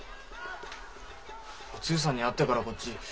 お露さんに会ってからこっち